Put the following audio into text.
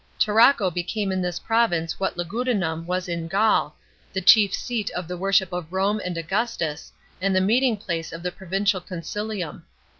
Tarraco became in this province what Lugudunum was in Gaul, the chief seat of the worship of Rome and Augustus, and the meeting place of the proviucial concilium.